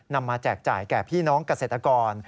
มาแจกจ่ายแก่พี่น้องเกษตรกร